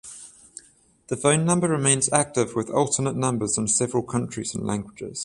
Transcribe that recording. The phone number remains active with alternate numbers in several countries and languages.